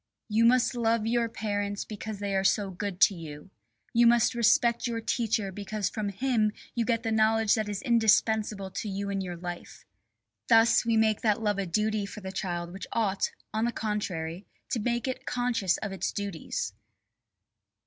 "You must love your parents because they are so good to you. You must respect your teacher because from him you get the knowledge that is indispensable to you in your life." Thus we make that love a duty for the child which ought, on the contrary, to make it conscious of its duties.